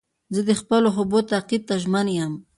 زه د خپلو خوبو تعقیب ته ژمن یم.